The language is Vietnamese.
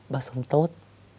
bác sống tốt